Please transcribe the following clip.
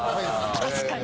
確かに。